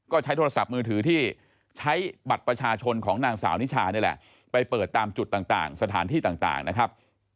ก็ใช้โทรศัพท์มือถือที่ใช้บัตรประชาชนของนางสาวนิชานี่แหละไปเปิดตามจุดต่างสถานที่ต่างนะครับ